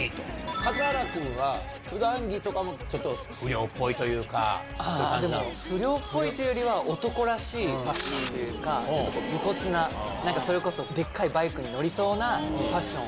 数原君は、ふだん着とかもちょっでも不良っぽいっていうよりは、男らしいファッションというか、ちょっとこう、武骨な、なんかそれこそ、でっかいバイクに乗りそうなファッション。